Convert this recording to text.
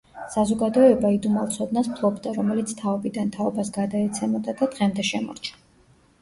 საზოგადოება იდუმალ ცოდნას ფლობდა, რომელიც თაობიდან თაობას გადაეცემოდა და დღემდე შემორჩა.